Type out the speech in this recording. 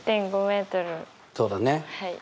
そうだね。